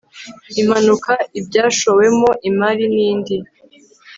impanuka ibyashowemo imari n indi